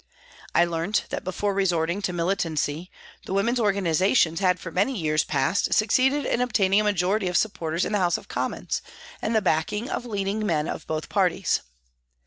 I learnt that before resorting to militancy the women's organisations had for many years past succeeded in obtaining a majority of supporters in P. G 18 PRISONS AND PRISONERS the House of Commons, and the backing of leading men of both parties.